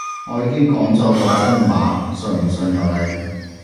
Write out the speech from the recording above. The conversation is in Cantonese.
我已經講咗個真話，信唔信由你